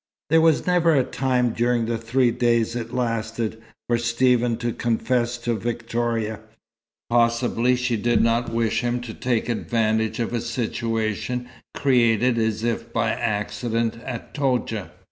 There was never a time during the three days it lasted, for Stephen to confess to Victoria. Possibly she did not wish him to take advantage of a situation created as if by accident at Toudja.